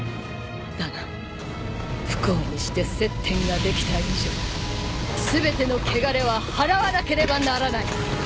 だが不幸にして接点ができた以上全ての穢れは払わなければならない。